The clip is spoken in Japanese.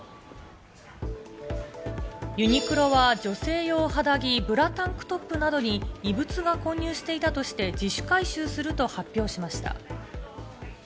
ユニクロは女性用肌着ブラタンクトップなどに異物が混入していたとして自主回収すると発表しました。